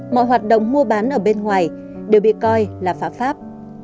mọi hoạt động mua bán ở bên ngoài đều bị coi là phạm pháp